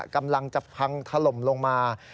กำลังจะพังถล่มลงมา